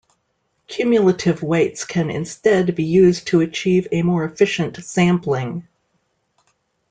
Cumulative weights can instead be used to achieve a more efficient sampling.